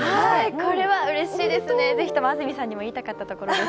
これはうれしいですね、ぜひとも安住さんにも言いたかったです。